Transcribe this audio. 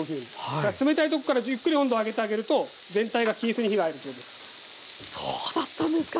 だから冷たいとこからゆっくり温度を上げてあげると全体が均一に火が入るそうです。